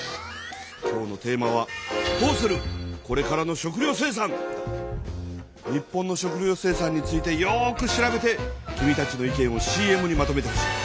今日のテーマは日本の食料生産についてよく調べて君たちの意見をＣＭにまとめてほしい。